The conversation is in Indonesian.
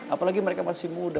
apalagi mereka masih muda